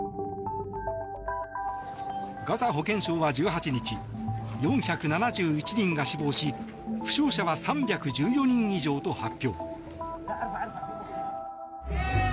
ガザ保健省は１８日４７１人が死亡し負傷者は３１４人以上と発表。